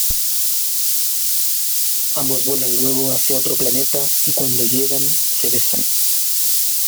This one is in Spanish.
Ambos vuelan luego hacia otro planeta y cuando llegan, se besan.